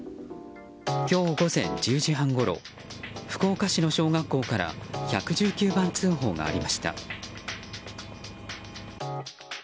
今日午前１０時半ごろ福岡市の小学校から１１９番通報がありました。